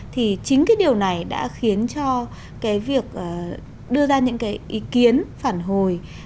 thì chính cái điều này đã khiến cho cái việc đưa ra những cái ý kiến phản hồi